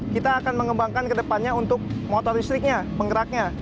kita akan mengembangkan ke depannya untuk motor listriknya penggeraknya